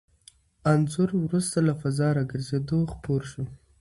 انځور وروسته له فضا راګرځېدو خپور شو.